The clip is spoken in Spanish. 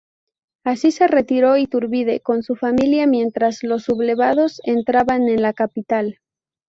Así se retiró Iturbide con su familia mientras los sublevados entraban en la capital.